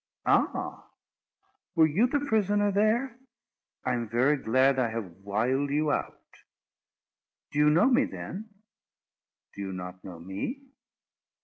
"Ah! were you the prisoner there? I am very glad I have wiled you out." "Do you know me then?" "Do you not know me?